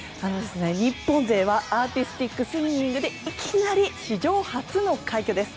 日本勢はアーティスティックスイミングでいきなり、史上初の快挙です。